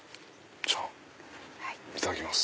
じゃあいただきます。